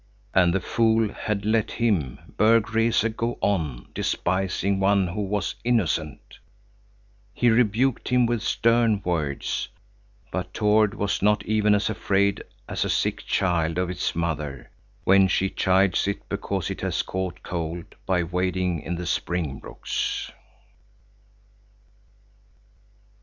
And the fool had let him, Berg Rese, go on despising one who was innocent. He rebuked him with stern words, but Tord was not even as afraid as a sick child is of its mother, when she chides it because it has caught cold by wading in the spring brooks.